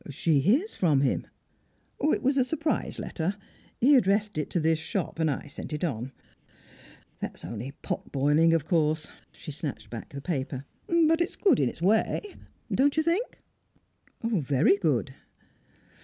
"She hears from him?" "It was a surprise letter; he addressed it to this shop, and I sent it on that's only pot boiling, of course." She snatched back the paper. "But it's good in its way don't you think?" "Very good."